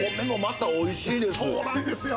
そうなんですよ！